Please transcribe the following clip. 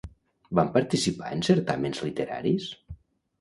Va participar en certàmens literaris?